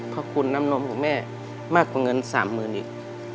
เพราะคุณน้ำนมของแม่มากกว่าเงินสามหมื่นอีก